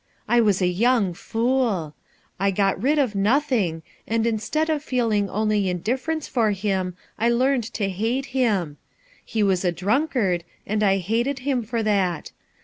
I was a young fool ! I got rid of nothing, and instead of feeling only indifference for him I learned to hate Mm. He was a drunkard, and I hated him for that.